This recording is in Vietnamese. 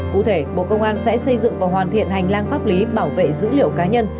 cụ thể bộ công an sẽ xây dựng và hoàn thiện hành lang pháp lý bảo vệ dữ liệu cá nhân